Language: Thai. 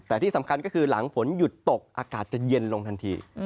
แต่ที่สำคัญก็คือหลังฝนหยุดตกอากาศจะเย็นลงทันที